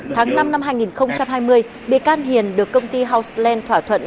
tháng năm năm hai nghìn hai mươi bị can hiền được công ty houseland thỏa thuận